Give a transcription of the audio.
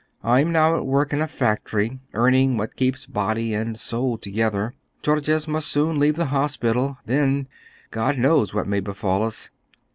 I am now at work in a factory, earning what keeps body and soul together. Georges must soon leave the hospital, then, God knows what may befall us.